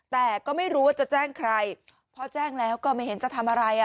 แต่ก็ไม่รู้ว่าจะแจ้งใครพอแจ้งแล้วก็ไม่เห็นจะทำอะไรอ่ะ